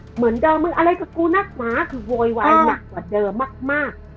เหมือนเดิมมึงอะไรกับกูนักหมาคือโวยวายหนักกว่าเดิมมาก